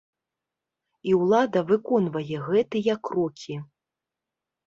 І ўлада выконвае гэтыя крокі.